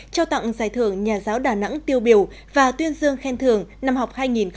trao tặng giải thưởng nhà giáo đà nẵng tiêu biểu và tuyên dương khen thưởng năm học hai nghìn một mươi hai nghìn hai mươi